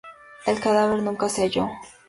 El cadáver nunca se halló.